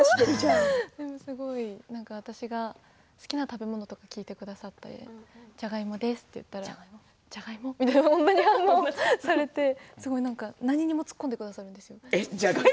私が好きな食べ物とか聞いてくださってじゃがいもですって言ったらじゃがいも？って何にも突っ込んでくださるんです。